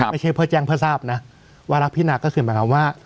ไม่ใช่เพื่อแจ้งเพื่อทราบนะว่ารักพินาก็คือหมายความว่า